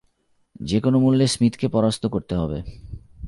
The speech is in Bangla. যেকোনো মূল্যে স্মিথকে পরাস্ত করতে হবে।